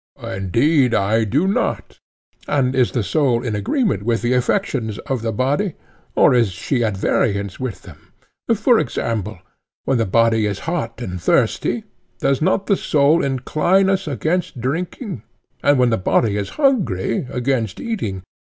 Indeed, I do not. And is the soul in agreement with the affections of the body? or is she at variance with them? For example, when the body is hot and thirsty, does not the soul incline us against drinking? and when the body is hungry, against eating?